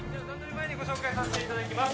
ご紹介させていただきます。